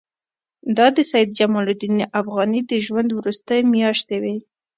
دا د سید جمال الدین افغاني د ژوند وروستۍ میاشتې وې.